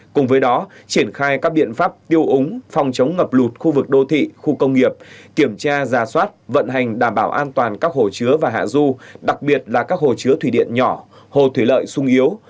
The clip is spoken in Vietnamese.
cùng với đó triển khai các biện pháp tiêu úng phòng chống ngập lụt khu vực đô thị khu công nghiệp kiểm tra giả soát vận hành đảm bảo an toàn các hồ chứa và hạ du đặc biệt là các hồ chứa thủy điện nhỏ hồ thủy lợi sung yếu